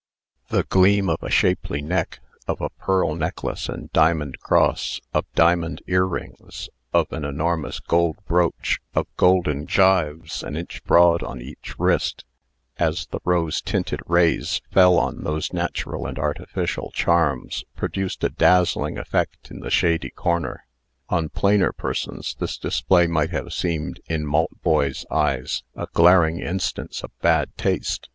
The gleam of a shapely neck, of a pearl necklace and diamond cross, of diamond earrings, of an enormous gold brooch, of golden gyves an inch broad on each wrist, as the rose tinted rays fell on those natural and artificial charms, produced a dazzling effect in the shady corner. On plainer persons, this display might have seemed, in Maltboy's eyes, a glaring instance of bad taste.